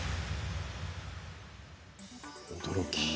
驚き。